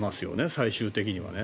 最終的にはね。